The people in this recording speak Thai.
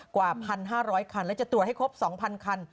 กว่า๑๕๐๐คันและจะตรวจให้ครบ๒๐๐คัน